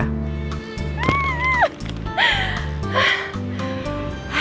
oke selamat bekerja ya